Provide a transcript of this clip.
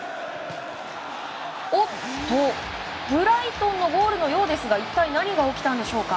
おっと、ブライトンのゴールのようですが一体何が起きたんでしょうか。